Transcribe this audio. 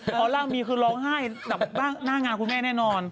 พอร่างมีคือร้องไห้แบบหน้างานคุณแม่แน่นอน